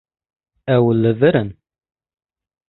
Ew li vir in.